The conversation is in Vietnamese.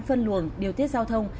phân luồng điều tiết giao thông